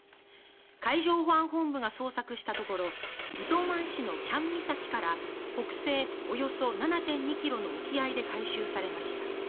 海上保安本部が捜索したところ糸満市の喜屋武岬から北西およそ７．２ｋｍの沖合で回収されました。